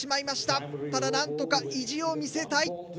ただ何とか意地を見せたい。